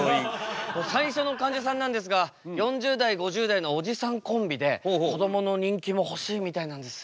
最初のかんじゃさんなんですが４０代５０代のおじさんコンビでこどもの人気も欲しいみたいなんです。